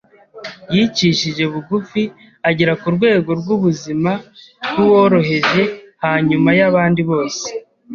yicishije bugufi agera ku rwego rw’ubuzima bw’uworoheje hanyuma y’abandi bose